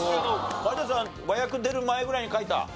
有田さん和訳出る前ぐらいに書いた？